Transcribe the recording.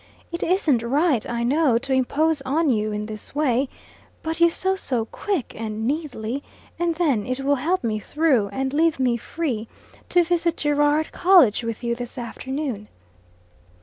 It isn't right, I know, to impose on you in this way. But you sew so quick and neatly; and then it will help me through, and leave me free to visit Girard College with you this afternoon."